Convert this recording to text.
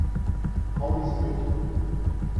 Kommen Sie mit.